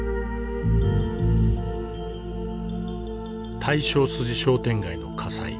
大正筋商店街の火災。